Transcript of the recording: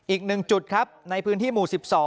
อีกหนึ่งจุดในพื้นที่หมู่๑๒